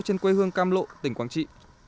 trên quê hương cam lộ tỉnh quảng trị